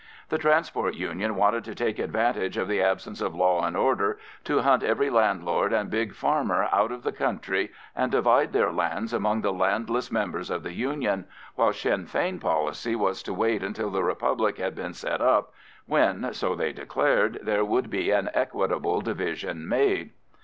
The Transport Union wanted to take advantage of the absence of law and order to hunt every landlord and big farmer out of the country and divide their lands amongst the landless members of the Union, while Sinn Fein policy was to wait until the Republic had been set up, when, so they declared, there would be an equitable division made.